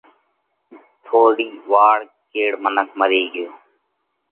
ٿوڙِي وار ڪيڙ منک مري ڳيو۔